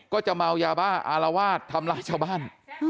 ก็จะเมายาบ้าอารวาสทำร้ายชาวบ้าน